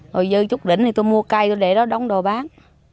rồi dưới chút đỉnh thì tôi mua cây tôi để đó đóng đồ bán